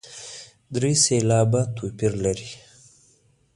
درې سېلابه توپیر لري.